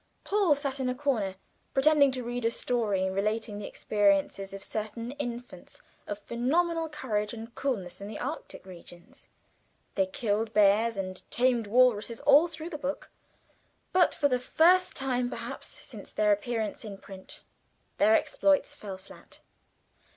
Paul sat in a corner pretending to read a story relating the experiences of certain infants of phenomenal courage and coolness in the Arctic regions. They killed bears and tamed walruses all through the book; but for the first time, perhaps, since their appearance in print their exploits fell flat.